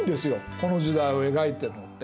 この時代を描いているのって。